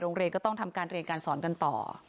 ก็ต้องทำการเรียนการสอนกันต่อ